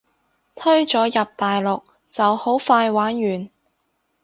推咗入大陸就好快玩完